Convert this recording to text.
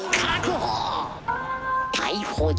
逮捕状。